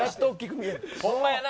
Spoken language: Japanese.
ほんまやな